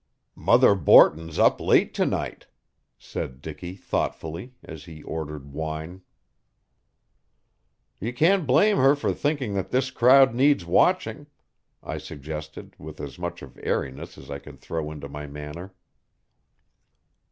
"Mother Borton's up late to night," said Dicky thoughtfully, as he ordered wine. "You can't blame her for thinking that this crowd needs watching," I suggested with as much of airiness as I could throw into my manner.